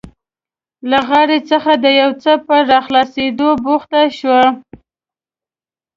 له غاړې څخه د یو څه په راخلاصولو بوخته شوه.